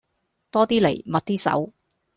多啲嚟密啲手